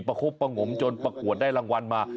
คบประงมจนประกวดได้รางวัลมา